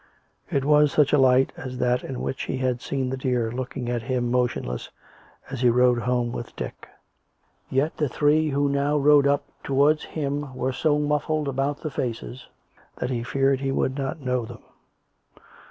It was such a light as that in which he had seen the deer looking at him motionless as he rode home with Dick. Yet the three who now rode up towards him were so muffled about the faces that he feared he would not know them.